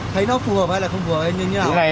thấy nó phù hợp hay là không phù hợp